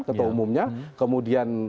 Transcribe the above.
kata umumnya kemudian